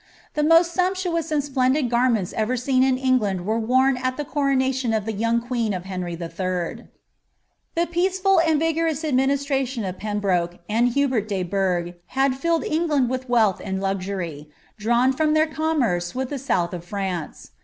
The most sumptuous and splendid garments ever seen in England were worn at the coronation of the young queen of Henry III. The peaceful and vigorous administration of Pembroke and Hubert de Burgh aad filled England with wealth and luxury, drawn from their commerce with the south of France.